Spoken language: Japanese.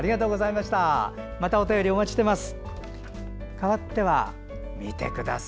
またお便りお待ちしております。